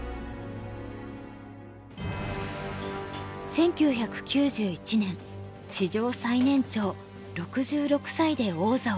１９９１年史上最年長６６歳で王座を獲得。